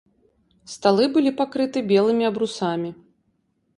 Сталы былі пакрыты белымі абрусамі.